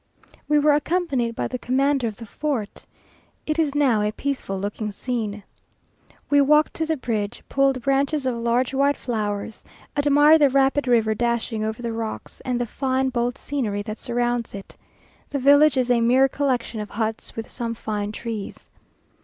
We were accompanied by the commander of the fort. It is now a peaceful looking scene. We walked to the bridge, pulled branches of large white flowers, admired the rapid river dashing over the rocks, and the fine, bold scenery that surrounds it. The village is a mere collection of huts, with some fine trees.